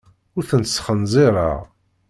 Ur tent-sxenzireɣ.